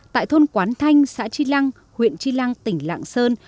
tại thôn quán thanh xã tri lăng huyện tri lăng tỉnh lạng sơn